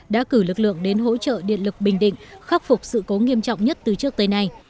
đã cử lực lượng đến hỗ trợ điện lực bình định khắc phục sự cố nghiêm trọng nhất từ trước tới nay